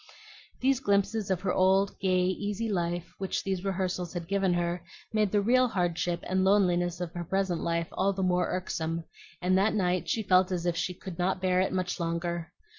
The glimpses of her old gay, easy life, which these rehearsals had given her, made the real hardship and loneliness of her present life all the more irksome, and that night she felt as if she could not bear it much longer.